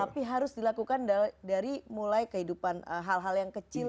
tapi harus dilakukan dari mulai kehidupan hal hal yang kecil